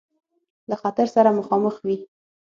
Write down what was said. له خطر سره مخامخ وي.